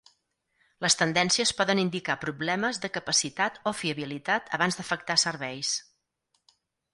Les tendències poden indicar problemes de capacitat o fiabilitat abans d'afectar serveis.